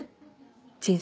人生。